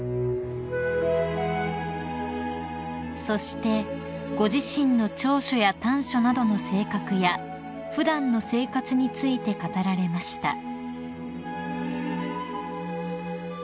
［そしてご自身の長所や短所などの性格や普段の生活について語られました］